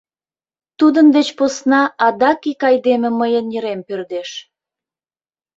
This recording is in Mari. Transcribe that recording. Тудын деч посна адак ик айдеме мыйын йырем пӧрдеш.